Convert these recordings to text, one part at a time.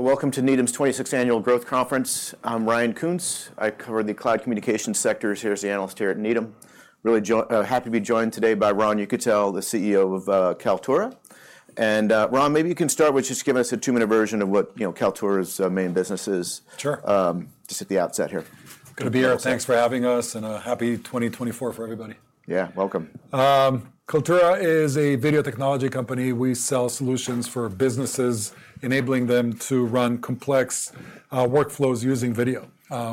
Welcome to Needham's 26th Annual Growth Conference. I'm Ryan Koontz. I cover the cloud communication sectors here as the analyst here at Needham. Really joyful, happy to be joined today by Ron Yekutiel, the CEO of Kaltura. And, Ron, maybe you can start with just giving us a two-minute version of what, you know, Kaltura's main business is- Sure. Just at the outset here. Good to be here. Thanks for having us, and a happy 2024 for everybody. Yeah, welcome. Kaltura is a video technology company. We sell solutions for businesses, enabling them to run complex workflows using video.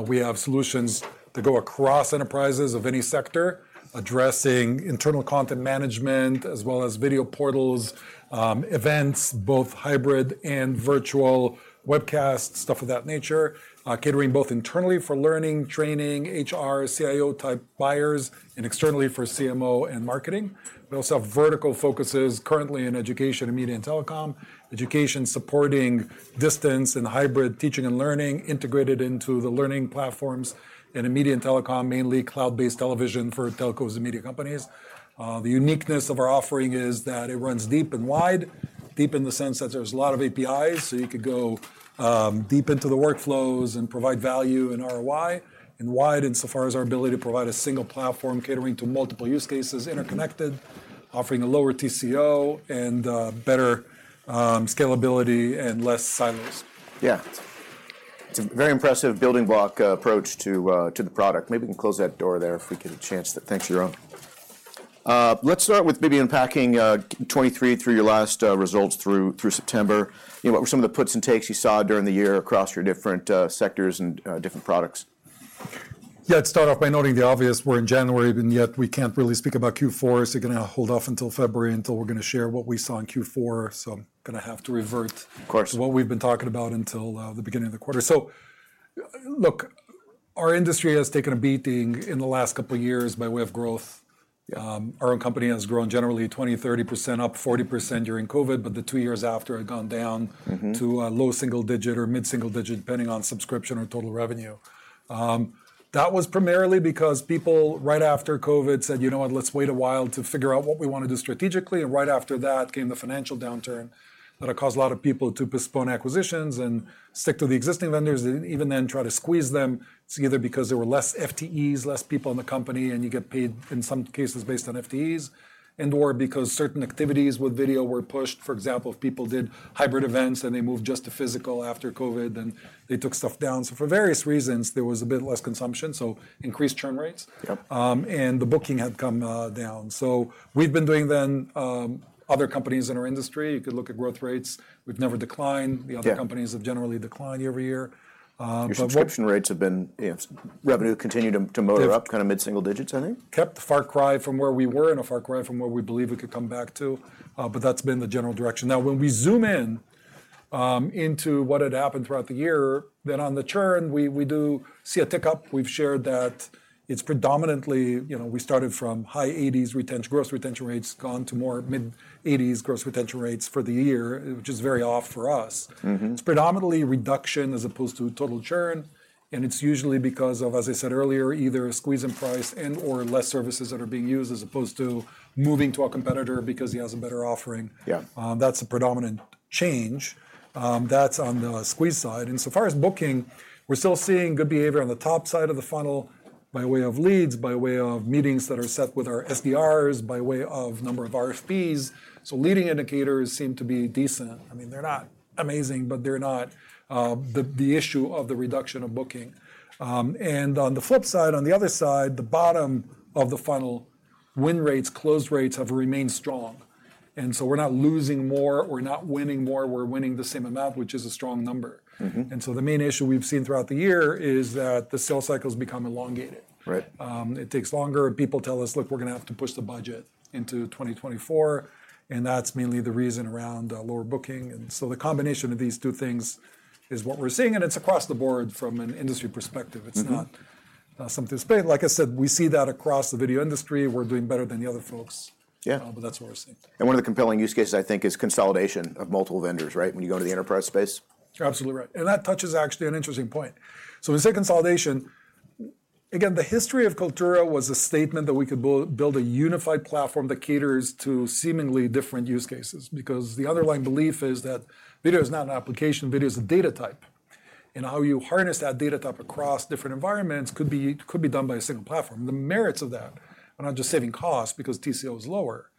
We have solutions that go across enterprises of any sector, addressing internal content management as well as video portals, events, both hybrid and virtual webcasts, stuff of that nature. Catering both internally for learning, training, HR, CIO-type buyers, and externally for CMO and marketing. We also have vertical focuses currently in education and media and telecom, education supporting distance and hybrid teaching and learning, integrated into the learning platforms, and in media and telecom, mainly cloud-based television for telcos and media companies. The uniqueness of our offering is that it runs deep and wide. Deep in the sense that there's a lot of APIs, so you could go deep into the workflows and provide value and ROI, and wide insofar as our ability to provide a single platform catering to multiple use cases, interconnected, offering a lower TCO and better scalability and less silos. Yeah. It's a very impressive building block approach to, to the product. Maybe we can close that door there if we get a chance to. Thanks, Jerome. Let's start with maybe unpacking 2023 through your last results through September. You know, what were some of the puts and takes you saw during the year across your different sectors and different products? Yeah, I'd start off by noting the obvious. We're in January, and yet we can't really speak about Q4, so we're gonna hold off until February, until we're gonna share what we saw in Q4. So I'm gonna have to revert- Of course... what we've been talking about until the beginning of the quarter. So, look, our industry has taken a beating in the last couple of years by way of growth. Yeah. Our own company has grown generally 20%-30%, up 40% during COVID, but the two years after had gone down. Mm-hmm... to a low single digit or mid-single digit, depending on subscription or total revenue. That was primarily because people, right after COVID, said, "You know what? Let's wait a while to figure out what we want to do strategically." And right after that came the financial downturn, that it caused a lot of people to postpone acquisitions and stick to the existing vendors, and even then, try to squeeze them together because there were less FTEs, less people in the company, and you get paid, in some cases, based on FTEs, and/or because certain activities with video were pushed. For example, if people did hybrid events, and they moved just to physical after COVID, then they took stuff down. So for various reasons, there was a bit less consumption, so increased churn rates. Yep. The booking had come down. So we've been doing better than other companies in our industry. You could look at growth rates. We've never declined. Yeah. The other companies have generally declined every year. But what- Your subscription rates have been, yeah, revenue continued to motor up- Yeah... kind of mid-single digits, I think. Kept a far cry from where we were and a far cry from where we believe we could come back to, but that's been the general direction. Now, when we zoom in into what had happened throughout the year, then on the churn, we, we do see a tick-up. We've shared that it's predominantly, you know, we started from high eighties gross retention rates, gone to more mid-eighties gross retention ratess for the year, which is very off for us. Mm-hmm. It's predominantly reduction as opposed to total churn, and it's usually because of, as I said earlier, either a squeeze in price and/or less services that are being used, as opposed to moving to a competitor because he has a better offering. Yeah. That's a predominant change. That's on the squeeze side, and so far as booking, we're still seeing good behavior on the top side of the funnel by way of leads, by way of meetings that are set with our SDRs, by way of number of RFPs. So leading indicators seem to be decent. I mean, they're not amazing, but they're not the issue of the reduction of booking. And on the flip side, on the other side, the bottom of the funnel, win rates, close rates have remained strong, and so we're not losing more, we're not winning more, we're winning the same amount, which is a strong number The main issue we've seen throughout the year is that the sales cycles become elongated. Right. It takes longer, and people tell us, "Look, we're gonna have to push the budget into 2024," and that's mainly the reason around lower booking. And so the combination of these two things is what we're seeing, and it's across the board from an industry perspective It's not, something specific. Like I said, we see that across the video industry. We're doing better than the other folks- Yeah... but that's what we're seeing. One of the compelling use cases, I think, is consolidation of multiple vendors, right? When you go to the enterprise space. You're absolutely right, and that touches actually an interesting point. So when you say consolidation, again, the history of Kaltura was a statement that we could build a unified platform that caters to seemingly different use cases. Because the underlying belief is that video is not an application, video is a data type, and how you harness that data type across different environments could be, could be done by a single platform. The merits of that are not just saving cost because TCO is lower,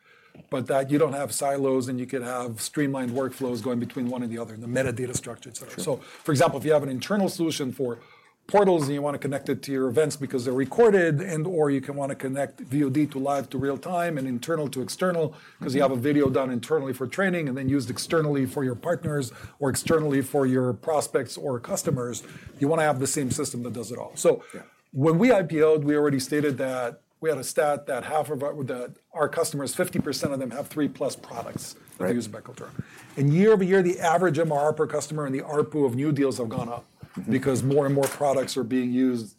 but that you don't have silos, and you can have streamlined workflows going between one and the other, and the metadata structure, et cetera. Sure. For example, if you have an internal solution for portals and you want to connect it to your events because they're recorded, and/or you can want to connect VOD to live to real time, and internal to external-... 'cause you have a video done internally for training and then used externally for your partners or externally for your prospects or customers, you want to have the same system that does it all. Yeah. So when we IPO'd, we already stated that we had a stat that half of our, that our customers, 50% of them, have 3+ products- Right... that are used by Kaltura. Year-over-year, the average MRR per customer and the ARPU of new deals have gone up- Mm-hmm... because more and more products are being used.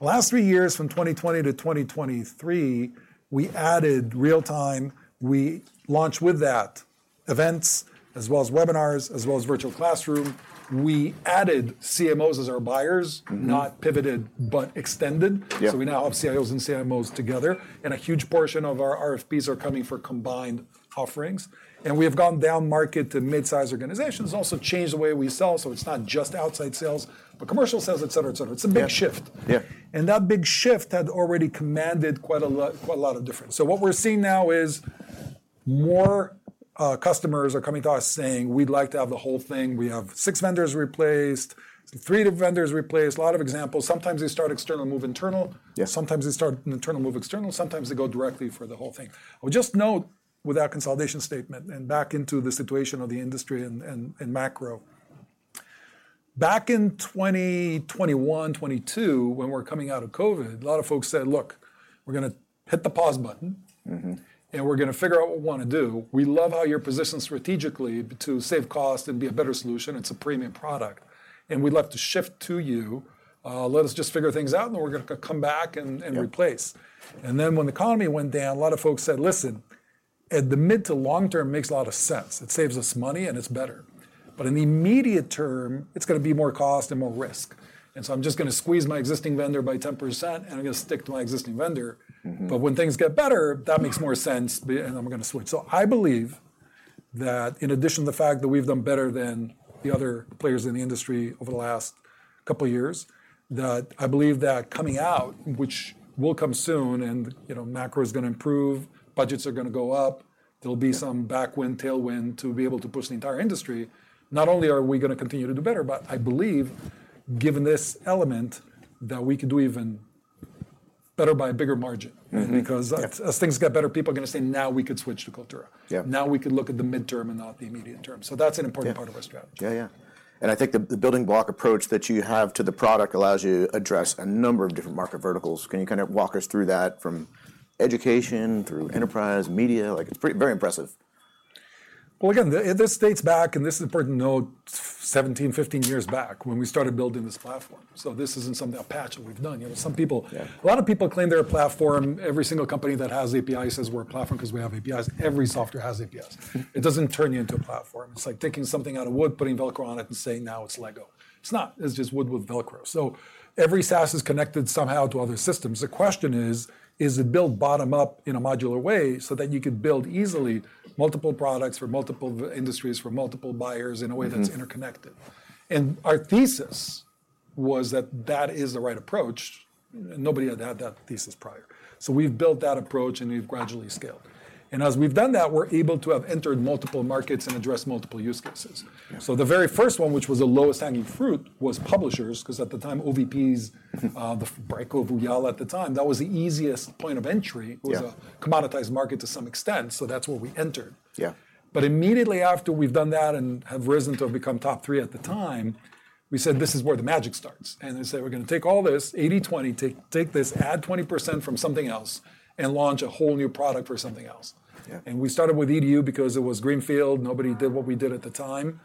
Last three years, from 2020 to 2023, we added real time. We launched with that... events, as well as webinars, as well as virtual classroom. We added CMOs as our buyers- Mm-hmm. not pivoted, but extended. Yeah. We now have CIOs and CMOs together, and a huge portion of our RFPs are coming for combined offerings. We have gone down market to midsize organizations, also changed the way we sell, so it's not just outside sales, but commercial sales, et cetera, et cetera. Yeah. It's a big shift. Yeah. That big shift had already commanded quite a lot, quite a lot of difference. So what we're seeing now is more, customers are coming to us saying, "We'd like to have the whole thing. We have six vendors replaced, three vendors replaced," a lot of examples. Sometimes they start external, move internal. Yeah. Sometimes they start internal, move external. Sometimes they go directly for the whole thing. I would just note with that consolidation statement and back into the situation of the industry and macro. Back in 2021, 2022, when we were coming out of COVID, a lot of folks said: Look, we're gonna hit the pause button- Mm-hmm. And we're gonna figure out what we wanna do. We love how you're positioned strategically to save cost and be a better solution. It's a premium product, and we'd love to shift to you. Let us just figure things out, and then we're gonna come back and replace. Yeah. And then, when the economy went down, a lot of folks said: Listen, at the mid to long term, makes a lot of sense. It saves us money, and it's better. But in the immediate term, it's gonna be more cost and more risk, and so I'm just gonna squeeze my existing vendor by 10%, and I'm gonna stick to my existing vendor. Mm-hmm. But when things get better, that makes more sense, and I'm gonna switch. So I believe that in addition to the fact that we've done better than the other players in the industry over the last couple of years, that I believe that coming out, which will come soon, and, you know, macro is gonna improve, budgets are gonna go up. Yeah. There'll be some backwind tailwind to be able to push the entire industry. Not only are we gonna continue to do better, but I believe, given this element, that we could do even better by a bigger margin. Mm-hmm. Yeah. Because as things get better, people are gonna say, "Now we could switch to Kaltura. Yeah. Now, we could look at the midterm and not the immediate term. Yeah. That's an important part of our strategy. Yeah. Yeah, and I think the building block approach that you have to the product allows you to address a number of different market verticals. Can you kind of walk us through that, from education through enterprise, media? Like, it's pretty very impressive. Well, again, this dates back, and this is important to note, 17, 15 years back, when we started building this platform. So this isn't some patch that we've done. You know, some people- Yeah. A lot of people claim they're a platform. Every single company that has API says, "We're a platform 'cause we have APIs." Every software has APIs. It doesn't turn you into a platform. It's like taking something out of wood, putting Velcro on it, and saying, "Now it's Lego." It's not. It's just wood with Velcro. So every SaaS is connected somehow to other systems. The question is, is it built bottom up in a modular way so that you could build easily multiple products for multiple industries, for multiple buyers in a way that's interconnected? Our thesis was that that is the right approach, and nobody had had that thesis prior. We've built that approach, and we've gradually scaled. As we've done that, we're able to have entered multiple markets and address multiple use cases. Yeah. So the very first one, which was the lowest hanging fruit, was publishers, 'cause at the time, OVPs- Mm... the Brightcove, Ooyala at the time, that was the easiest point of entry. Yeah. It was a commoditized market to some extent, so that's where we entered. Yeah. Immediately after we've done that and have risen to become top three at the time- Yeah... we said, "This is where the magic starts," and we said, "We're gonna take all this 80/20, take, take this, add 20% from something else, and launch a whole new product for something else. Yeah. We started with EDU because it was greenfield. Nobody did what we did at the time.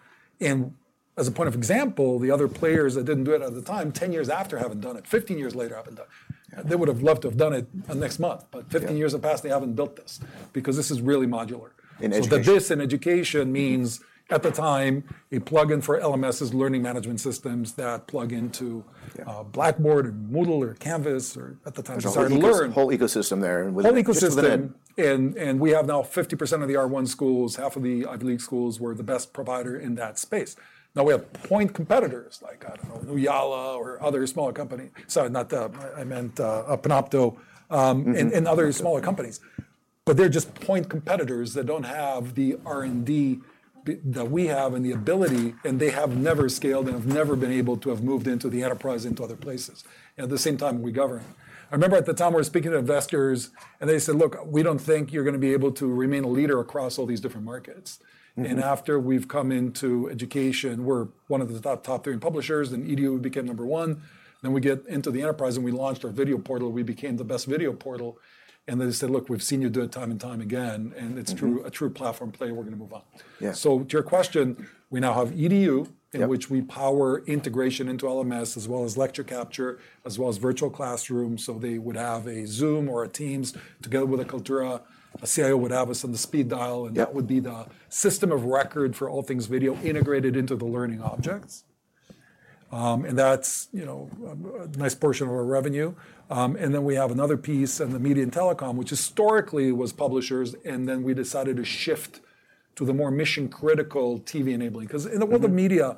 As a point of example, the other players that didn't do it at the time, 10 years after, haven't done it. 15 years later, haven't done it. Yeah. They would have loved to have done it next month- Yeah... but 15 years have passed, they haven't built this because this is really modular. In education. So this in education means, at the time, a plugin for LMSs, learning management systems, that plug into- Yeah... Blackboard, or Moodle, or Canvas, or at the time, we started Learn. Whole ecosystem there, and with- Whole ecosystem... it's in. And we have now 50% of the R1 Schools, half of the Ivy League schools. We're the best provider in that space. Now, we have point competitors like, I don't know, Ooyala or other smaller company. Sorry, not the, I meant, Panopto. Mm-hmm... and other smaller companies, but they're just point competitors that don't have the R&D that we have and the ability, and they have never scaled and have never been able to have moved into the enterprise into other places. At the same time, we govern. I remember at the time we were speaking to investors, and they said: Look, we don't think you're gonna be able to remain a leader across all these different markets. Mm-hmm. After we've come into education, we're one of the top, top three publishers, and EDU became number one. Then we get into the enterprise, and we launched our video portal. We became the best video portal, and they said: Look, we've seen you do it time and time again- Mm-hmm... and it's true, a true platform play, and we're gonna move on. Yeah. To your question, we now have EDU- Yeah... in which we power integration into LMS, as well as lecture capture, as well as virtual classrooms. So they would have a Zoom or a Teams together with a Kaltura. A CIO would have us on the speed dial, and- Yeah... that would be the system of record for all things video, integrated into the learning objects. And that's, you know, a nice portion of our revenue. And then we have another piece in the media and telecom, which historically was publishers, and then we decided to shift to the more mission-critical TV enabling. Mm-hmm. 'Cause in the world of media,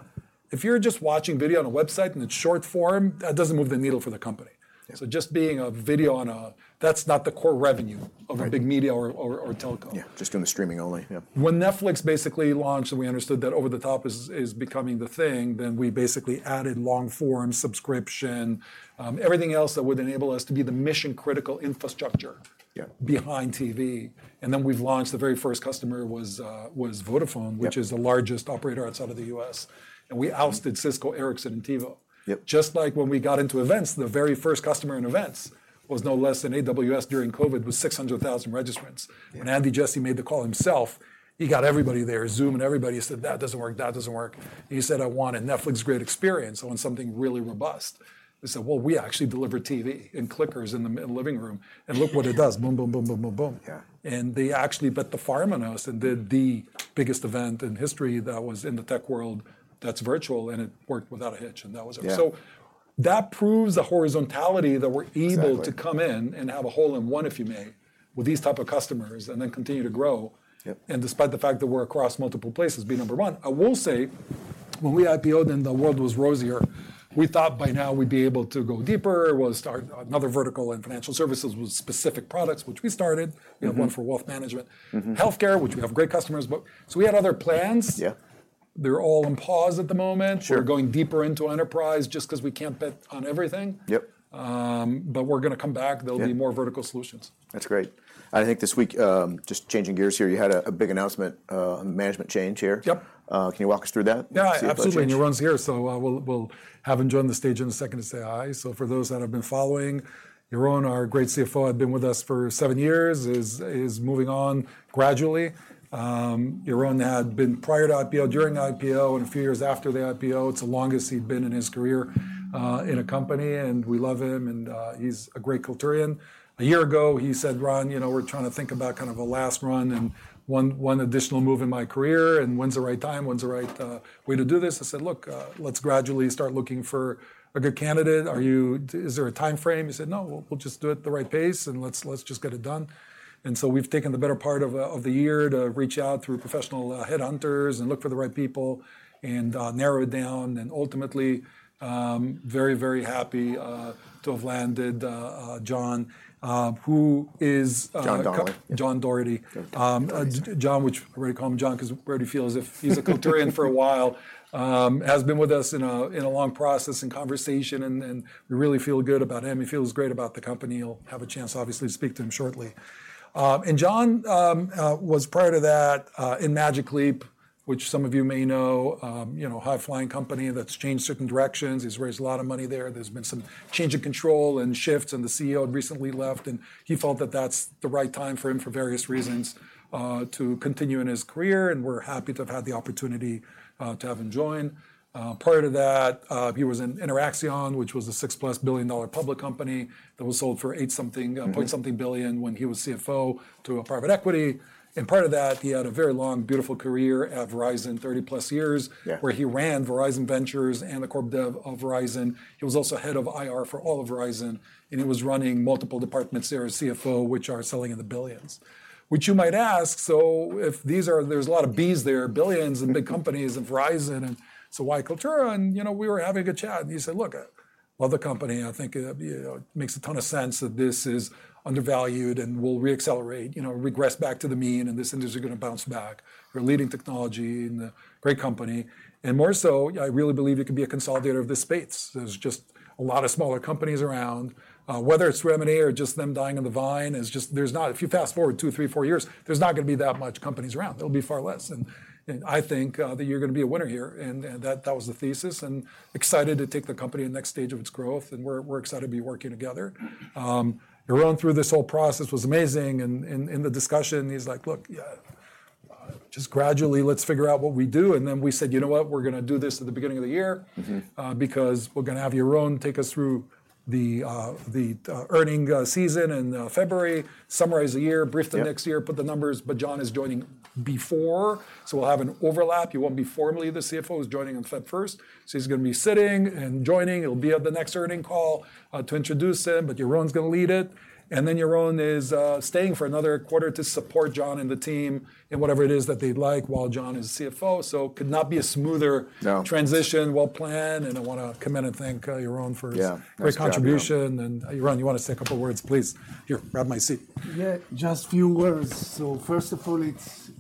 if you're just watching video on a website, and it's short-form, that doesn't move the needle for the company. Yeah. So just being a video on a... That's not the core revenue- Right... of a big media or telecom. Yeah, just doing the streaming only. Yeah. When Netflix basically launched, and we understood that over-the-top is becoming the thing, then we basically added long-form subscription, everything else that would enable us to be the mission-critical infrastructure- Yeah... behind TV. And then we've launched the very first customer was, was Vodafone- Yeah... which is the largest operator outside of the U.S., and we ousted Cisco, Ericsson, and TiVo. Yep. Just like when we got into events, the very first customer in events was no less than AWS during COVID, with 600,000 registrants. Yeah. When Andy Jassy made the call himself, he got everybody there, Zoom, and everybody said, "That doesn't work, that doesn't work." He said, "I want a Netflix-grade experience. I want something really robust." I said, "Well, we actually deliver TV and clickers in the living room, and look what it does. Boom, boom, boom, boom, boom, boom. Yeah. They actually bet the farm on us and did the biggest event in history that was in the tech world that's virtual, and it worked without a hitch, and that was it. Yeah. So that proves the horizontality- Exactly... that we're able to come in and have a hole-in-one, if you may, with these type of customers and then continue to grow. Yep. Despite the fact that we're across multiple places, be number one. I will say, when we IPO'd and the world was rosier, we thought by now we'd be able to go deeper. We'll start another vertical in financial services with specific products, which we started. Mm-hmm. We have one for wealth management. Mm-hmm. Healthcare, which we have great customers, but. So we had other plans. Yeah. They're all on pause at the moment. Sure. We're going deeper into enterprise just 'cause we can't bet on everything. Yep. But we're gonna come back. Yeah. There'll be more vertical solutions. That's great. I think this week, just changing gears here, you had a big announcement on the management change here. Yep. Can you walk us through that? Yeah, absolutely. The CFO change. Yaron's here, so, we'll have him join the stage in a second to say hi. So for those that have been following, Yaron, our great CFO, had been with us for seven years, is moving on gradually. Yaron had been prior to IPO, during the IPO, and a few years after the IPO. It's the longest he'd been in his career, in a company, and we love him, and he's a great Kalturian. A year ago, he said, "Ron, you know, we're trying to think about kind of a last run and one, one additional move in my career, and when's the right time? When's the right, way to do this?" I said, "Look, let's gradually start looking for a good candidate. Is there a timeframe?" He said, "No, we'll just do it at the right pace, and let's just get it done." And so we've taken the better part of the year to reach out through professional headhunters and look for the right people and narrow it down, and ultimately very, very happy to have landed John who is John Doherty. John Doherty. Yep. John, which I already call him John, 'cause he already feels as if he's a Kalturian for a while. Has been with us in a long process and conversation, and we really feel good about him. He feels great about the company. You'll have a chance, obviously, to speak to him shortly. And John was prior to that in Magic Leap, which some of you may know. You know, a high-flying company that's changed certain directions. He's raised a lot of money there. There's been some change of control and shifts, and the CEO had recently left, and he felt that that's the right time for him, for various reasons to continue in his career, and we're happy to have had the opportunity to have him join. Prior to that, he was in Interxion, which was a $6+ billion public company that was sold for $8 something- Mm-hmm... $ point something billion when he was CFO to a private equity. And part of that, he had a very long, beautiful career at Verizon, 30+ years- Yeah... where he ran Verizon Ventures and the corp dev of Verizon. He was also head of IR for all of Verizon, and he was running multiple departments there as CFO, which are selling in the billions. Which you might ask: "So if these are—there's a lot of Bs there, billions—and big companies and Verizon, and so why Kaltura?" And, you know, we were having a good chat, and he said, "Look, I love the company, and I think, you know, it makes a ton of sense that this is undervalued, and we'll re-accelerate, you know, regress back to the mean, and this industry is gonna bounce back. We're leading technology and a great company, and more so, I really believe it can be a consolidator of this space. There's just a lot of smaller companies around, whether it'sRemo or just them dying on the vine, it's just—there's not... If you fast-forward two, three, four years, there's not gonna be that much companies around. There'll be far less, and I think that you're gonna be a winner here," and that was the thesis, and excited to take the company to the next stage of its growth, and we're excited to be working together. Yaron, through this whole process, was amazing and in the discussion, he's like: "Look, just gradually, let's figure out what we do," and then we said, "You know what? We're gonna do this at the beginning of the year- Mm-hmm... because we're gonna have Yaron take us through the earnings season in February, summarize the year- Yep... brief the next year, put the numbers," but John is joining before, so we'll have an overlap. He won't be formally the CFO. He's joining on February 1st, so he's gonna be sitting and joining. He'll be at the next earnings call to introduce him, but Yaron's gonna lead it, and then Yaron is staying for another quarter to support John and the team in whatever it is that they'd like, while John is CFO. So could not be a smoother- No... transition, well-planned, and I wanna come in and thank Yaron for his- Yeah... great contribution. Yeah. And, Yaron, you wanna say a couple words, please? Here, grab my seat. Yeah, just few words. So first of all, it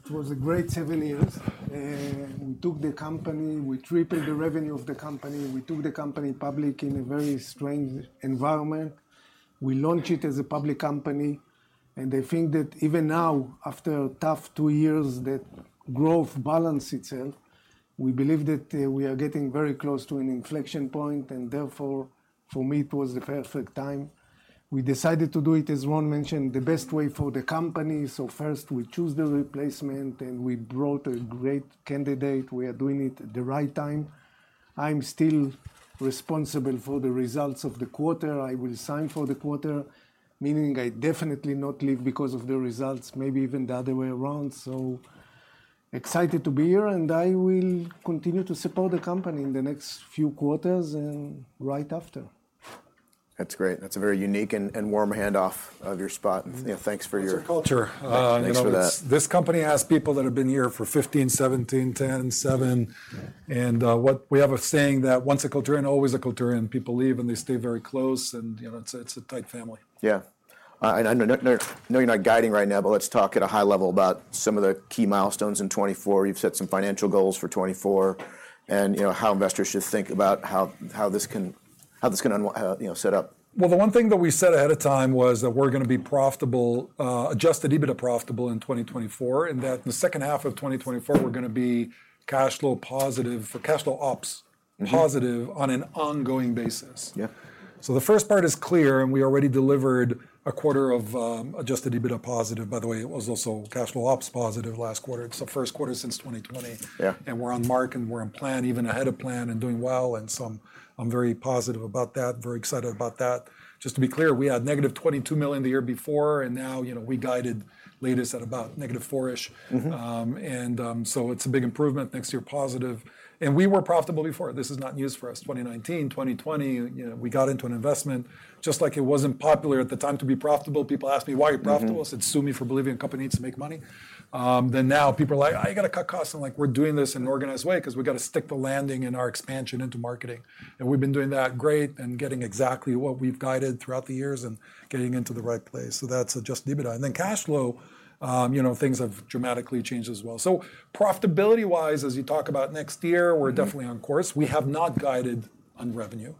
was a great seven years. We took the company, we tripled the revenue of the company, we took the company public in a very strange environment. We launched it as a public company, and I think that even now, after a tough two years, the growth balance itself, we believe that we are getting very close to an inflection point, and therefore, for me, it was the perfect time. We decided to do it, as Ron mentioned, the best way for the company, so first we choose the replacement, and we brought a great candidate. We are doing it at the right time. I'm still responsible for the results of the quarter. I will sign for the quarter, meaning I definitely not leave because of the results, maybe even the other way around. So excited to be here, and I will continue to support the company in the next few quarters and right after. That's great. That's a very unique and warm handoff of your spot. Mm. Yeah, thanks for your- That's our culture. Thanks for that. This company has people that have been here for 15, 17, 10, 7- Yeah... and we have a saying that, "Once a Culturian, always a Culturian." People leave, and they stay very close, and, you know, it's a, it's a tight family. Yeah. And I know you're not guiding right now, but let's talk at a high level about some of the key milestones in 2024. You've set some financial goals for 2024, and, you know, how investors should think about how this can, how this is gonna, you know, set up. Well, the one thing that we said ahead of time was that we're gonna be profitable, Adjusted EBITDA profitable in 2024, and that the second half of 2024, we're gonna be cash flow positive, for cash flow ops- Mm-hmm... positive on an ongoing basis. Yeah.... So the first part is clear, and we already delivered a quarter of adjusted EBITDA positive. By the way, it was also cash flow ops positive last quarter. It's the first quarter since 2020. Yeah. We're on mark, and we're on plan, even ahead of plan and doing well, and so I'm very positive about that, very excited about that. Just to be clear, we had -$22 million the year before, and now, you know, we guided latest at about -$4-ish. Mm-hmm. So it's a big improvement next year, positive, and we were profitable before. This is not news for us. 2019, 2020, you know, we got into an investment just like it wasn't popular at the time to be profitable. People ask me, "Why are you profitable? Mm-hmm. I said, "Sue me for believing a company needs to make money." Then now people are like: I gotta cut costs. And like, we're doing this in an organized way 'cause we've gotta stick the landing in our expansion into marketing, and we've been doing that great and getting exactly what we've guided throughout the years and getting into the right place. So that's Adjusted EBITDA. And then cash flow, you know, things have dramatically changed as well. So profitability-wise, as you talk about next year- Mm-hmm. -we're definitely on course. We have not guided on revenue.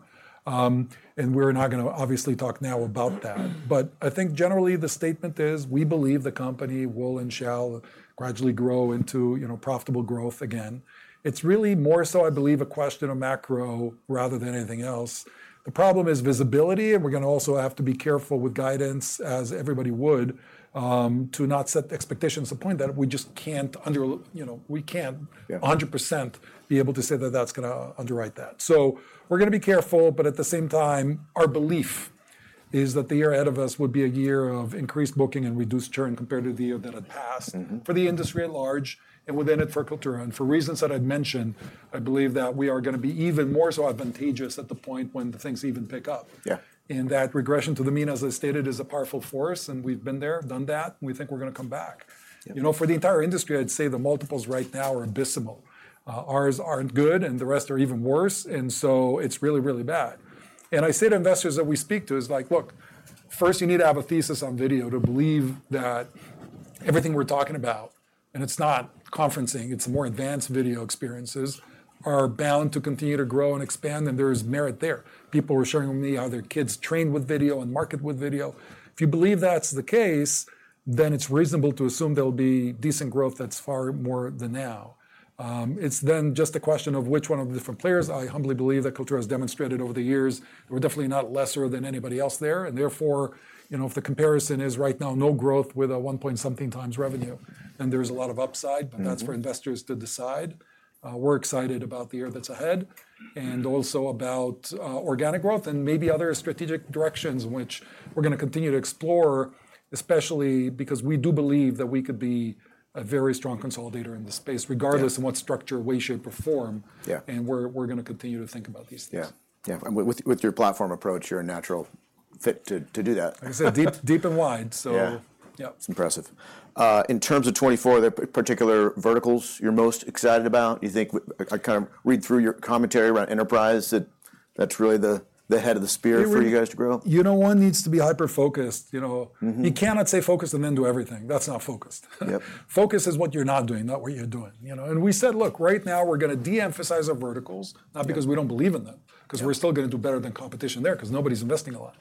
We're not gonna obviously talk now about that. But I think generally the statement is we believe the company will and shall gradually grow into, you know, profitable growth again. It's really more so, I believe, a question of macro rather than anything else. The problem is visibility, and we're gonna also have to be careful with guidance, as everybody would, to not set expectations to the point that we just can't, you know, we can't- Yeah... 100% be able to say that that's gonna underwrite that. So we're gonna be careful, but at the same time, our belief is that the year ahead of us would be a year of increased booking and reduced churn compared to the year that had passed- Mm-hmm... for the industry at large and within it for Kaltura. For reasons that I've mentioned, I believe that we are gonna be even more so advantageous at the point when the things even pick up. Yeah. That regression to the mean, as I stated, is a powerful force, and we've been there, done that, and we think we're gonna come back. Yeah. You know, for the entire industry, I'd say the multiples right now are abysmal. Ours aren't good, and the rest are even worse, and so it's really, really bad. And I say to investors that we speak to is like: Look, first you need to have a thesis on video to believe that everything we're talking about, and it's not conferencing, it's more advanced video experiences, are bound to continue to grow and expand, and there is merit there. People were showing me how their kids train with video and market with video. If you believe that's the case, then it's reasonable to assume there'll be decent growth that's far more than now. It's then just a question of which one of the different players. I humbly believe that Kaltura has demonstrated over the years we're definitely not lesser than anybody else there, and therefore, you know, if the comparison is right now, no growth with a 1-point-something times revenue, then there's a lot of upside- Mm-hmm. But that's for investors to decide. We're excited about the year that's ahead and also about organic growth and maybe other strategic directions in which we're gonna continue to explore, especially because we do believe that we could be a very strong consolidator in this space. Yeah regardless of what structure we shape or form. Yeah. We're gonna continue to think about these things. Yeah, yeah. With your platform approach, you're a natural fit to do that. Like I said, deep, deep and wide, so- Yeah. Yep. It's impressive. In terms of 2024, are there particular verticals you're most excited about? You think, I kind of read through your commentary around enterprise, that that's really the, the head of the spear for you guys to grow. You know, one needs to be hyper-focused, you know? Mm-hmm. You cannot say focus and then do everything. That's not focused. Yep. Focus is what you're not doing, not what you're doing, you know? And we said: Look, right now, we're gonna de-emphasize our verticals- Yeah... not because we don't believe in them- Yeah... 'cause we're still gonna do better than competition there 'cause nobody's investing a lot.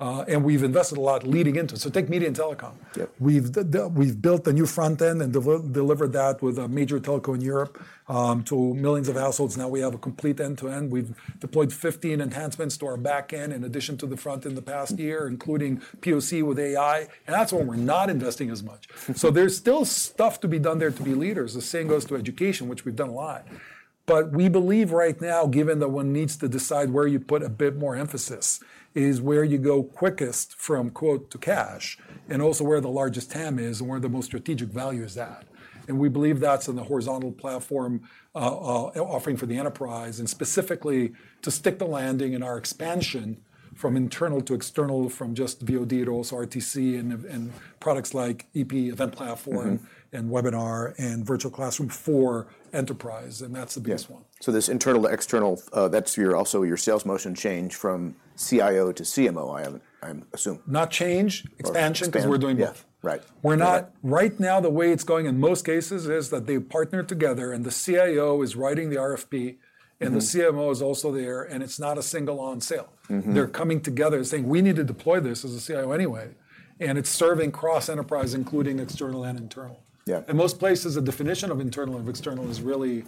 And we've invested a lot leading into it. So take media and telecom. Yeah. We've built a new front end and delivered that with a major telco in Europe, to millions of households. Now we have a complete end-to-end. We've deployed 15 enhancements to our back end in addition to the front end the past year, including POC with AI, and that's when we're not investing as much. So there's still stuff to be done there to be leaders. The same goes to education, which we've done a lot. But we believe right now, given that one needs to decide where you put a bit more emphasis, is where you go quickest from quote to cash, and also where the largest TAM is and where the most strategic value is at. We believe that's in the horizontal platform offering for the enterprise, and specifically to stick the landing in our expansion from internal to external, from just VOD to also RTC and products like EP, Event Platform. Mm-hmm ... and Webinar and Virtual Classroom for enterprise, and that's the biggest one. Yeah. So this internal to external, that's your also your sales motion change from CIO to CMO. I'm assuming. Not change, expansion- Expansion ...'cause we're doing both. Yeah, right. We're not. Right now, the way it's going in most cases is that they partner together, and the CIO is writing the RFP. Mm-hmm... and the CMO is also there, and it's not a single on sale. Mm-hmm. They're coming together and saying, "We need to deploy this as a CIO anyway," and it's serving cross-enterprise, including external and internal. Yeah. In most places, the definition of internal and external is really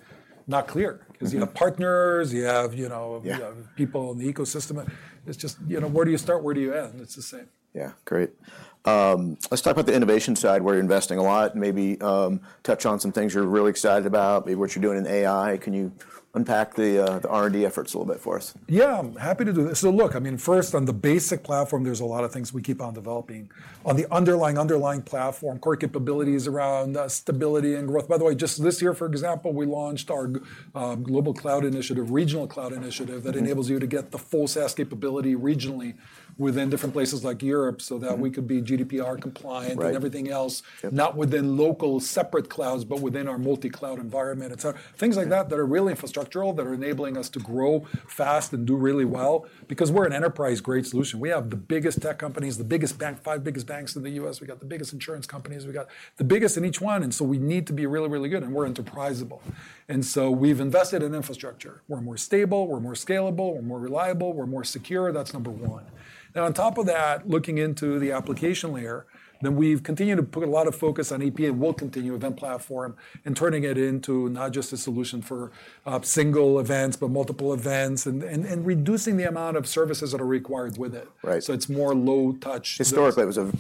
not clear. Mm-hmm. 'Cause you have partners, you have, you know- Yeah... you have people in the ecosystem. It's just, you know, where do you start? Where do you end? It's the same. Yeah, great. Let's talk about the innovation side, where you're investing a lot, and maybe touch on some things you're really excited about, maybe what you're doing in AI. Can you unpack the R&D efforts a little bit for us? Yeah, I'm happy to do this. So look, I mean, first, on the basic platform, there's a lot of things we keep on developing. On the underlying, underlying platform, core capabilities around, stability and growth. By the way, just this year, for example, we launched our global cloud initiative, regional cloud initiative- Mm-hmm... that enables you to get the full SaaS capability regionally within different places like Europe- Mm-hmm... so that we could be GDPR compliant- Right... and everything else. Yep. Not within local separate clouds, but within our multi-cloud environment. And so things like that- Yeah... that are really infrastructural, that are enabling us to grow fast and do really well because we're an enterprise-grade solution. We have the biggest tech companies, the biggest bank, five biggest banks in the U.S. We got the biggest insurance companies. We got the biggest in each one, and so we need to be really, really good, and we're enterpriseable. And so we've invested in infrastructure. We're more stable, we're more scalable, we're more reliable, we're more secure. That's number one. Now, on top of that, looking into the application layer, then we've continued to put a lot of focus on EP and will continue with Event Platform, and turning it into not just a solution for single events, but multiple events, and reducing the amount of services that are required with it. Right. It's more low touch. Historically, it was a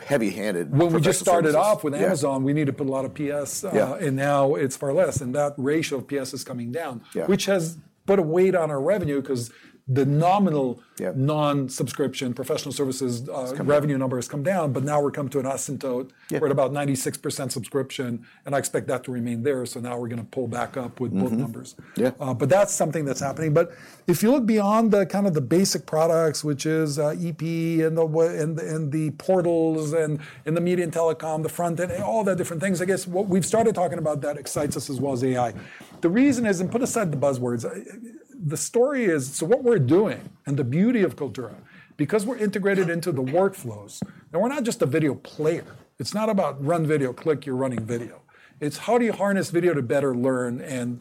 heavy-handed professional services- When we just started off with Amazon, we need to put a lot of PS. Yeah... and now it's far less, and that ratio of PS is coming down. Yeah. Which has put a weight on our revenue, 'cause the nominal- Yeah... non-subscription professional services, It's coming down.... revenue number has come down, but now we're come to an asymptote- Yeah... we're at about 96% subscription, and I expect that to remain there. So now we're going to pull back up with both numbers. Mm-hmm. Yeah. But that's something that's happening. But if you look beyond the kind of the basic products, which is EP, and the portals, and the media and telecom, the front-end, and all the different things, I guess what we've started talking about that excites us as well as AI. The reason is, and put aside the buzzwords, the story is, so what we're doing, and the beauty of Kaltura, because we're integrated into the workflows, and we're not just a video player. It's not about run video, click, you're running video. It's how do you harness video to better learn and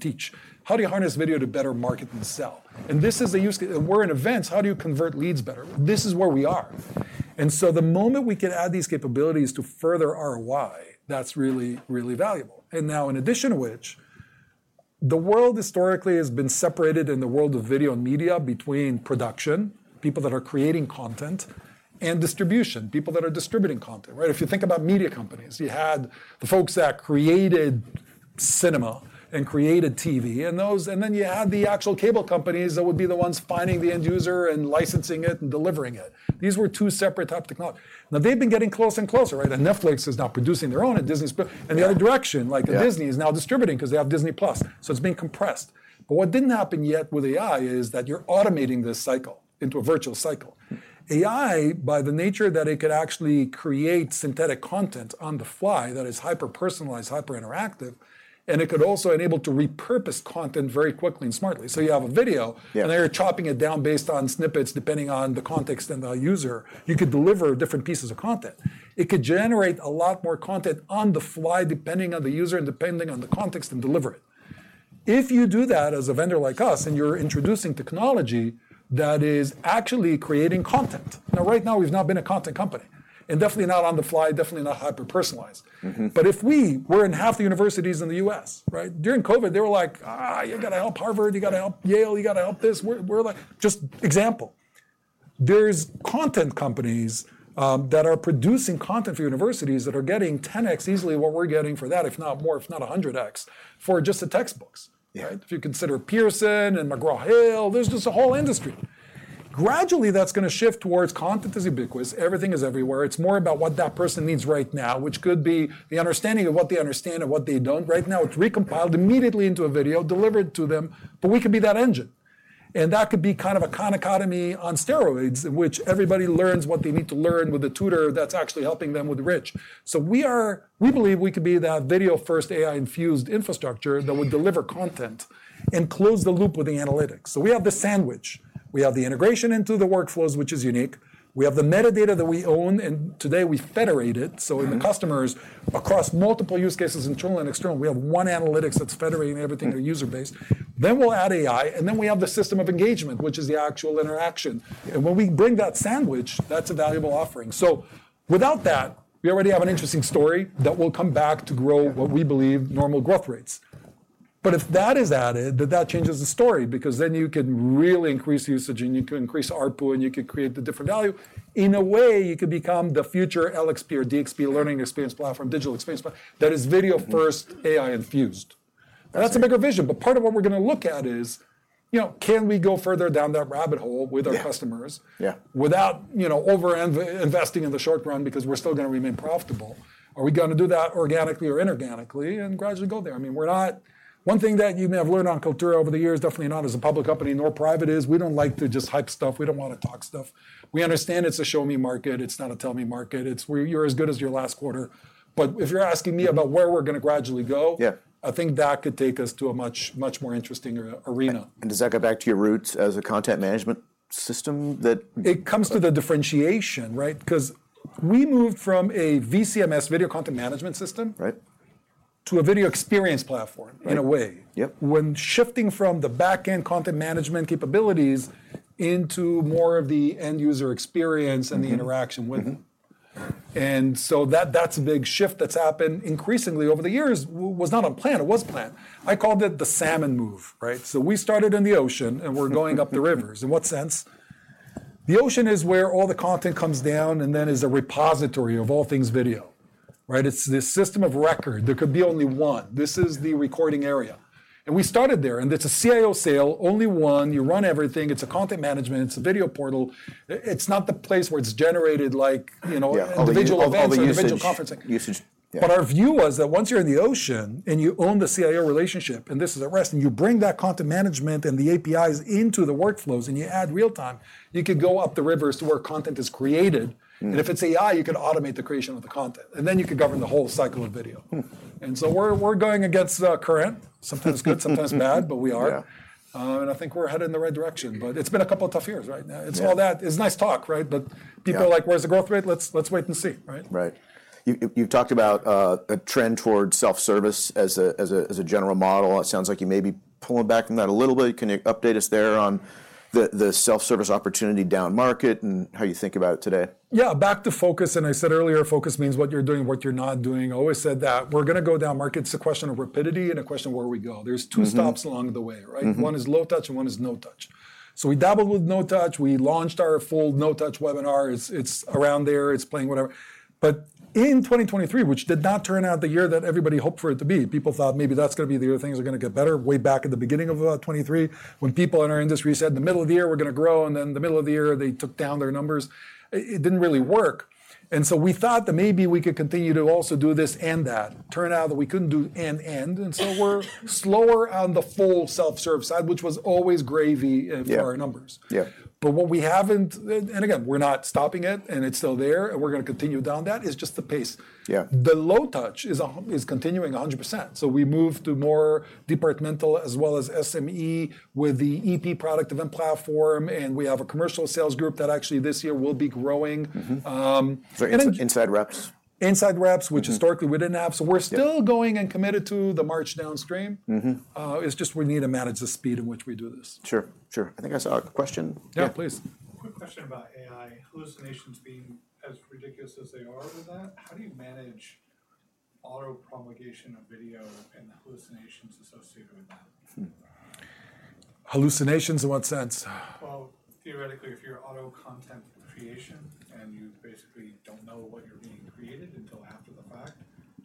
teach? How do you harness video to better market and sell? And this is the use. We're in events, how do you convert leads better? This is where we are. So the moment we can add these capabilities to further our why, that's really, really valuable. Now, in addition to which, the world historically has been separated in the world of video and media between production, people that are creating content, and distribution, people that are distributing content, right? If you think about media companies, you had the folks that created cinema and created TV, and then you had the actual cable companies that would be the ones finding the end user and licensing it and delivering it. These were two separate types of technology. Now, they've been getting closer and closer, right? Netflix is now producing their own, and Disney's pro- Yeah. And the other direction- Yeah... like Disney is now distributing 'cause they have Disney Plus, so it's being compressed. But what didn't happen yet with AI is that you're automating this cycle into a virtual cycle. AI, by the nature that it could actually create synthetic content on the fly that is hyper-personalized, hyper-interactive, and it could also enable to repurpose content very quickly and smartly. So you have a video- Yeah... and then you're chopping it down based on snippets, depending on the context and the user, you could deliver different pieces of content. It could generate a lot more content on the fly, depending on the user and depending on the context, and deliver it. If you do that as a vendor like us, and you're introducing technology that is actually creating content... Now, right now, we've not been a content company, and definitely not on the fly, definitely not hyper-personalized. Mm-hmm. But if we, we're in half the universities in the U.S., right? During COVID, they were like, "Ah, you gotta help Harvard, you gotta help Yale, you gotta help this." We're, we're like. Just example, there's content companies that are producing content for universities that are getting 10x easily what we're getting for that, if not more, if not 100x, for just the textbooks. Yeah. Right? If you consider Pearson and McGraw Hill, there's just a whole industry. Gradually, that's gonna shift towards content is ubiquitous, everything is everywhere. It's more about what that person needs right now, which could be the understanding of what they understand and what they don't. Right now, it's recompiled immediately into a video, delivered to them, but we could be that engine. And that could be kind of a Khan Academy on steroids, in which everybody learns what they need to learn with a tutor that's actually helping them with rich. So we are, we believe we could be that video-first, AI-infused infrastructure that would deliver content and close the loop with the analytics. So we have the sandwich. We have the integration into the workflows, which is unique. We have the metadata that we own, and today we federate it. Mm... so in the customers, across multiple use cases, internal and external, we have one analytics that's federating everything to the user base. Then we'll add AI, and then we have the system of engagement, which is the actual interaction. Yeah. When we bring that sandwich, that's a valuable offering. Without that, we already have an interesting story that will come back to grow- Yeah... what we believe normal growth rates. But if that is added, then that changes the story, because then you can really increase usage, and you can increase ARPU, and you can create the different value. In a way, you could become the future LXP or DXP, learning experience platform, digital experience plat-- that is video first- Mm-hmm... AI infused. Yeah. That's a bigger vision, but part of what we're gonna look at is, you know, can we go further down that rabbit hole with our customers... Yeah, yeah... without, you know, over investing in the short run because we're still gonna remain profitable? Are we gonna do that organically or inorganically, and gradually go there? I mean, we're not. One thing that you may have learned on Kaltura over the years, definitely not as a public company, nor private, is we don't like to just hype stuff. We don't wanna talk stuff. We understand it's a show-me market, it's not a tell-me market. It's where you're as good as your last quarter. But if you're asking me about where we're gonna gradually go- Yeah... I think that could take us to a much, much more interesting arena. And, does that go back to your roots as a content management system that- It comes to the differentiation, right? 'Cause we moved from a VCMS, video content management system- Right... to a video experience platform- Yeah... in a way. Yep. When shifting from the back-end content management capabilities into more of the end-user experience and the interaction with it. Mm-hmm. And so that's a big shift that's happened increasingly over the years. We was not on plan, it was planned. I called it the salmon move, right? So we started in the ocean, and we're going up the rivers. In what sense?... The ocean is where all the content comes down, and then is a repository of all things video, right? It's the system of record. There could be only one. This is the recording area, and we started there, and it's a CIO sale, only one. You run everything. It's a content management, it's a video portal. It's not the place where it's generated, like, you know- Yeah - individual events- All the usage. - individual conferencing. Usage, yeah. But our view was that once you're in the ocean, and you own the CIO relationship, and this is the rest, and you bring that content management and the APIs into the workflows, and you add real time, you could go up the rivers to where content is created. Mm. If it's AI, you could automate the creation of the content, and then you could govern the whole cycle of video. Mm. And so we're going against the current. Sometimes good, sometimes bad, but we are. Yeah. And I think we're headed in the right direction, but it's been a couple of tough years, right? Yeah. It's nice talk, right? But- Yeah... people are like: "Where's the growth rate?" Let's, let's wait and see. Right? Right. You've talked about a trend towards self-service as a general model. It sounds like you may be pulling back from that a little bit. Can you update us there on the self-service opportunity downmarket, and how you think about it today? Yeah, back to focus, and I said earlier, focus means what you're doing, what you're not doing. I always said that. We're gonna go downmarket. It's a question of rapidity and a question of where we go. Mm-hmm. There's two stops along the way, right? Mm-hmm. One is low touch, and one is no touch. So we dabbled with no touch. We launched our full no-touch webinar. It's around there, it's playing, whatever. But in 2023, which did not turn out the year that everybody hoped for it to be, people thought maybe that's gonna be the year things are gonna get better, way back at the beginning of 2023, when people in our industry said, in the middle of the year, we're gonna grow, and then the middle of the year, they took down their numbers. It didn't really work, and so we thought that maybe we could continue to also do this and that. Turned out that we couldn't do so we're slower on the full self-serve side, which was always gravy. Yeah... for our numbers. Yeah. But what we haven't, and, and again, we're not stopping it, and it's still there, and we're gonna continue down that. It's just the pace. Yeah. The low touch is continuing 100%, so we moved to more departmental, as well as SME, with the EP product, Event Platform, and we have a commercial sales group that actually this year will be growing. Mm-hmm. Um, and- So inside reps? Inside reps- Mm... which is historically we didn't have. Yeah. We're still going and committed to the march downstream. Mm-hmm. It's just we need to manage the speed in which we do this. Sure, sure. I think I saw a question? Yeah, please. Quick question about AI. Hallucinations being as ridiculous as they are with that, how do you manage auto-promulgation of video and the hallucinations associated with that? Hmm. Hallucinations in what sense? Well, theoretically, if you're auto content creation, and you basically don't know what you're being created until after the fact,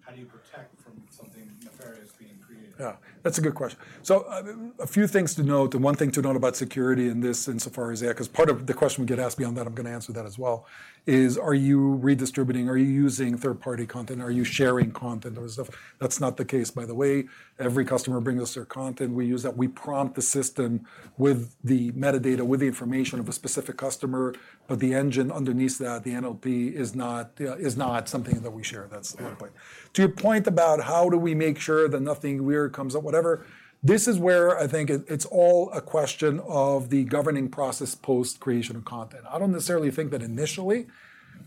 how do you protect from something nefarious being created? Yeah, that's a good question. So, a few things to note. The one thing to note about security in this, insofar as AI, 'cause part of the question we get asked beyond that, I'm gonna answer that as well, is, are you redistributing, are you using third-party content? Are you sharing content or stuff? That's not the case, by the way. Every customer brings us their content. We use that. We prompt the system with the metadata, with the information of a specific customer, but the engine underneath that, the NLP, is not, is not something that we share. That's one point. Yeah. To your point about how do we make sure that nothing weird comes up, whatever, this is where I think it, it's all a question of the governing process post creation of content. I don't necessarily think that initially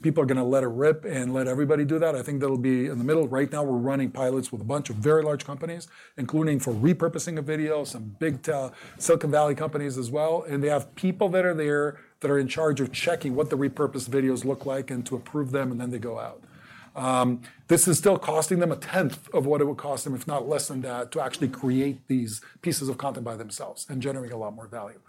people are gonna let it rip and let everybody do that. I think they'll be... In the middle of right now, we're running pilots with a bunch of very large companies, including for repurposing of video, some big, Silicon Valley companies as well, and they have people that are there that are in charge of checking what the repurposed videos look like and to approve them, and then they go out. This is still costing them a tenth of what it would cost them, if not less than that, to actually create these pieces of content by themselves and generate a lot more value.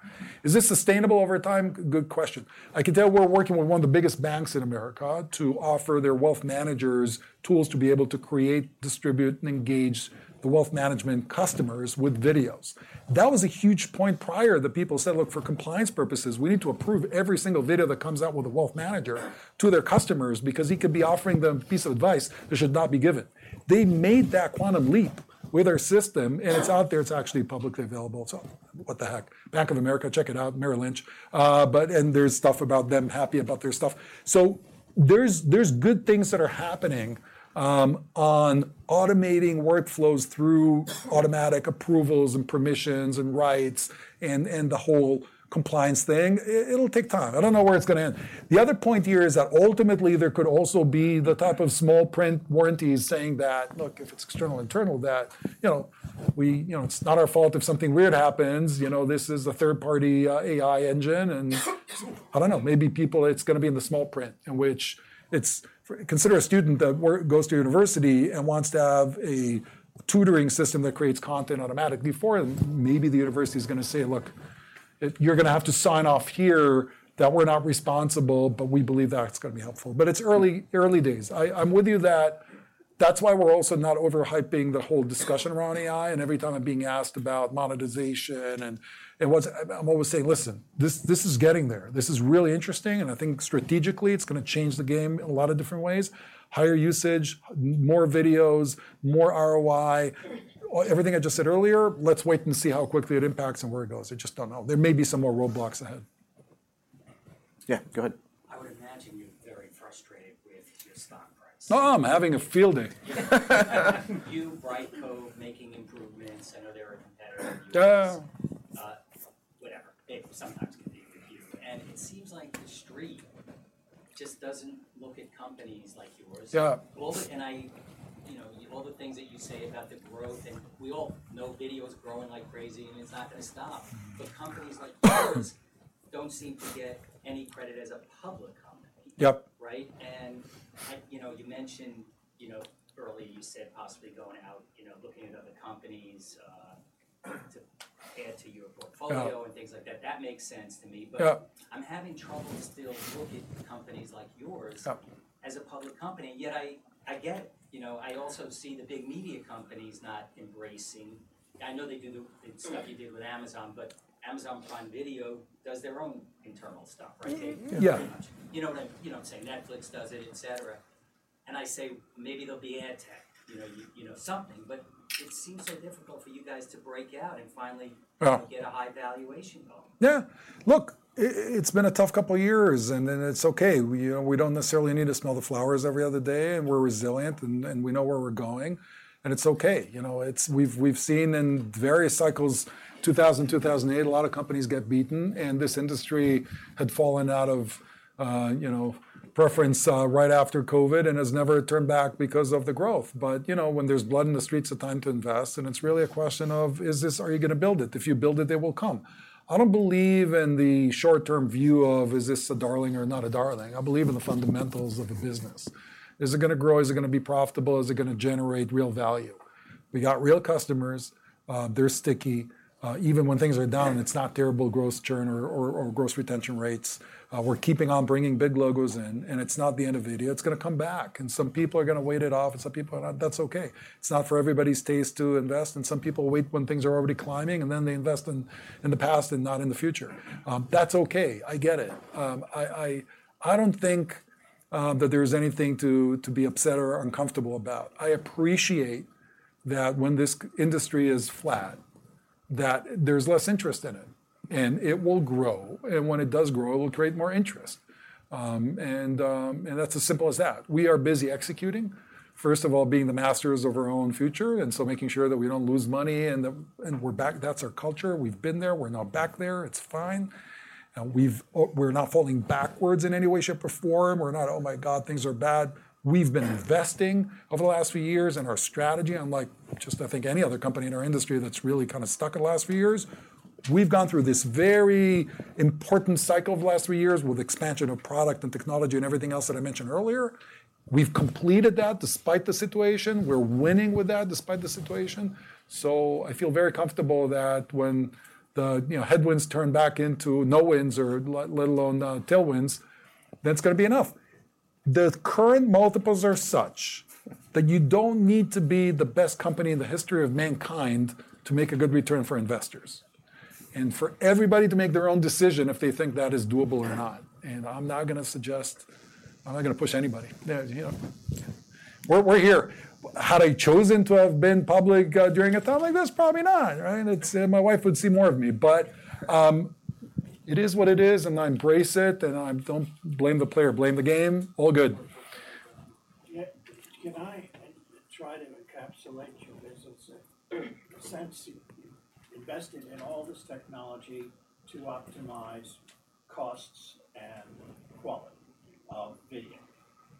Is this sustainable over time? Good question. I can tell you we're working with one of the biggest banks in America to offer their wealth managers tools to be able to create, distribute, and engage the wealth management customers with videos. That was a huge point prior that people said, "Look, for compliance purposes, we need to approve every single video that comes out with a wealth manager to their customers, because he could be offering them a piece of advice that should not be given." They made that quantum leap with our system, and it's out there. It's actually publicly available, so what the heck? Bank of America, check it out, Merrill Lynch. But and there's stuff about them, happy about their stuff. So there's, there's good things that are happening on automating workflows through automatic approvals and permissions and rights and the whole compliance thing. It'll take time. I don't know where it's gonna end. The other point here is that ultimately there could also be the type of small print warranties saying that, "Look, if it's external, internal, that, you know, we, you know, it's not our fault if something weird happens. You know, this is a third-party AI engine," and I don't know, maybe people, it's gonna be in the small print, in which it's—Consider a student that goes to university and wants to have a tutoring system that creates content automatically. Before, maybe the university is gonna say, "Look, you're gonna have to sign off here that we're not responsible, but we believe that it's gonna be helpful." But it's early, early days. I'm with you that—That's why we're also not over-hyping the whole discussion around AI, and every time I'm being asked about monetization, and, and what's... I'm always saying: Look, this is getting there. This is really interesting, and I think strategically it's gonna change the game in a lot of different ways. Higher usage, more videos, more ROI, all, everything I just said earlier, let's wait and see how quickly it impacts and where it goes. I just don't know. There may be some more roadblocks ahead. Yeah, go ahead. I would imagine you're very frustrated with your stock price. No, I'm having a field day. You, Brightcove, making improvements. I know there are competitors- Uh... Whatever. They sometimes can be with you, and it seems like the street just doesn't look at companies like yours. Yeah. You know, all the things that you say about the growth, and we all know video is growing like crazy, and it's not gonna stop, but companies like yours don't seem to get any credit as a public company. Yep. Right? And-... you know, you mentioned, you know, early you said possibly going out, you know, looking at other companies, to add to your portfolio- Yeah. Things like that. That makes sense to me. Yeah. But I'm having trouble still looking at companies like yours- Yeah as a public company, and yet I, I get, you know, I also see the big media companies not embracing... I know they do the, the stuff you did with Amazon, but Amazon Prime Video does their own internal stuff, right? Yeah. You know what I'm saying? Netflix does it, et cetera. And I say, maybe there'll be ad tech, you know, you know, something, but it seems so difficult for you guys to break out and finally- Yeah. get a high valuation going. Yeah. Look, it's been a tough couple of years, and then it's okay. We, you know, we don't necessarily need to smell the flowers every other day, and we're resilient, and we know where we're going, and it's okay. You know, it's—we've seen in various cycles, 2000, 2008, a lot of companies get beaten, and this industry had fallen out of, you know, preference, right after COVID, and has never turned back because of the growth. But, you know, when there's blood in the streets, a time to invest, and it's really a question of, is this—are you gonna build it? If you build it, they will come. I don't believe in the short-term view of, is this a darling or not a darling? I believe in the fundamentals of the business. Is it gonna grow? Is it gonna be profitable? Is it gonna generate real value? We got real customers, they're sticky, even when things are down, it's not terrible gross churn or gross retention rates. We're keeping on bringing big logos in, and it's not the end of video. It's gonna come back, and some people are gonna wait it off, and some people are not. That's okay. It's not for everybody's taste to invest, and some people wait when things are already climbing, and then they invest in the past and not in the future. That's okay. I get it. I don't think that there's anything to be upset or uncomfortable about. I appreciate that when this industry is flat, that there's less interest in it, and it will grow, and when it does grow, it will create more interest. That's as simple as that. We are busy executing, first of all, being the masters of our own future, and so making sure that we don't lose money, and we're back. That's our culture. We've been there. We're now back there. It's fine. And we're not falling backwards in any way, shape, or form. We're not, "Oh, my God, things are bad." We've been investing over the last few years, and our strategy, unlike just, I think, any other company in our industry that's really kind of stuck in the last few years. We've gone through this very important cycle of the last three years with expansion of product and technology and everything else that I mentioned earlier. We've completed that despite the situation. We're winning with that despite the situation. So I feel very comfortable that when the, you know, headwinds turn back into no winds or let alone tailwinds, that's gonna be enough. The current multiples are such that you don't need to be the best company in the history of mankind to make a good return for investors, and for everybody to make their own decision if they think that is doable or not. I'm not gonna suggest. I'm not gonna push anybody. Yeah, you know, we're here. Had I chosen to have been public during a time like this? Probably not, right? It's... my wife would see more of me. But it is what it is, and I embrace it, and I'm. Don't blame the player, blame the game. All good. Yeah, can I try to encapsulate your business in a sense, you invested in all this technology to optimize costs and quality of video?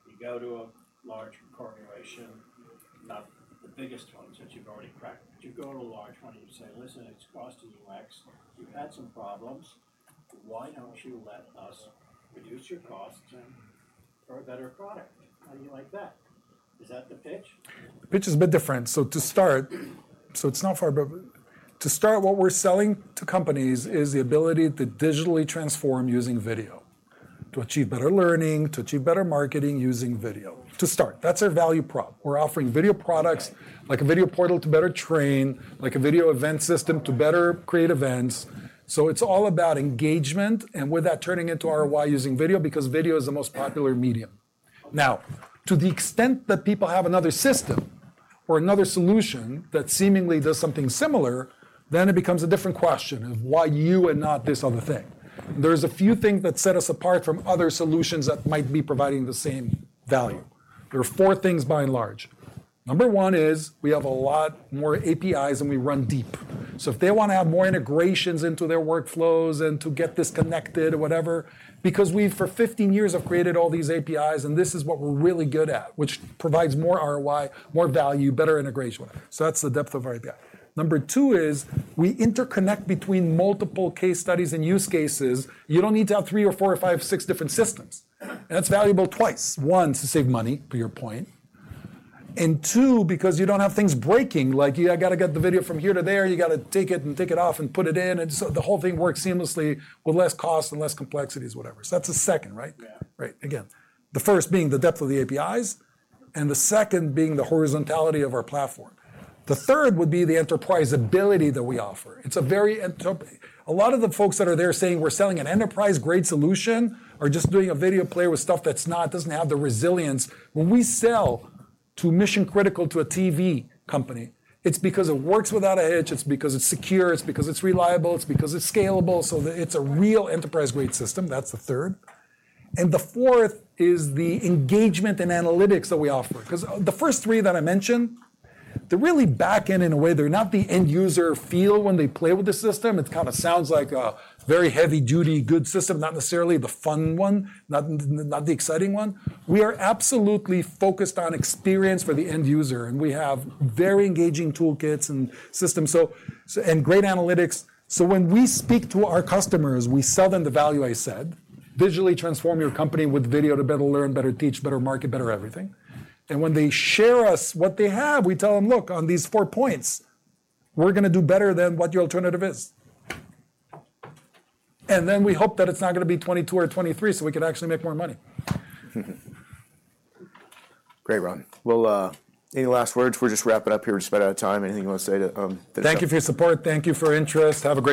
You go to a large corporation, not the biggest ones, that you've already cracked. You go to a large one, you say: "Listen, it's costing you X. You've had some problems. Why don't you let us reduce your costs and for a better product? How do you like that?" Is that the pitch? The pitch is a bit different. So to start, so it's not far, but to start, what we're selling to companies is the ability to digitally transform using video, to achieve better learning, to achieve better marketing using video. To start, that's our value prop. We're offering video products, like a video portal to better train, like a video event system to better create events. So it's all about engagement, and with that turning into our why using video, because video is the most popular medium. Now, to the extent that people have another system or another solution that seemingly does something similar, then it becomes a different question of why you and not this other thing. There's a few things that set us apart from other solutions that might be providing the same value. There are four things by and large. Number 1 is, we have a lot more APIs, and we run deep. So if they wanna have more integrations into their workflows and to get this connected or whatever, because we, for 15 years, have created all these APIs, and this is what we're really good at, which provides more ROI, more value, better integration. So that's the depth of our API. Number 2 is we interconnect between multiple case studies and use cases. You don't need to have 3 or 4 or 5, 6 different systems, and that's valuable twice. 1, to save money, to your point, and 2, because you don't have things breaking. Like, you, I gotta get the video from here to there, you gotta take it and take it off and put it in, and so the whole thing works seamlessly with less cost and less complexities, whatever. So that's the second, right? Yeah. Right. Again, the first being the depth of the APIs, and the second being the horizontality of our platform. The third would be the enterprise ability that we offer. It's a very, a lot of the folks that are there saying we're selling an enterprise-grade solution are just doing a video player with stuff that's not, doesn't have the resilience. When we sell to mission critical to a TV company, it's because it works without a hitch, it's because it's secure, it's because it's reliable, it's because it's scalable, so it's a real enterprise-grade system. That's the third. And the fourth is the engagement and analytics that we offer. 'Cause, the first three that I mentioned, they're really back-end in a way. They're not the end user feel when they play with the system. It kind of sounds like a very heavy-duty, good system, not necessarily the fun one, not, not the exciting one. We are absolutely focused on experience for the end user, and we have very engaging toolkits and systems, so, and great analytics. So when we speak to our customers, we sell them the value I said, digitally transform your company with video to better learn, better teach, better market, better everything. And when they share us what they have, we tell them: "Look, on these four points, we're gonna do better than what your alternative is." And then we hope that it's not gonna be 2022 or 2023, so we could actually make more money. Great, Ron. Well, any last words? We'll just wrap it up here. We're just about out of time. Anything you wanna say to finish up? Thank you for your support. Thank you for interest. Have a great-